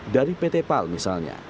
dari pt pal misalnya